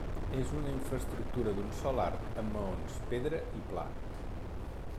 És una infraestructura d'un sol arc amb maons, pedra i pla.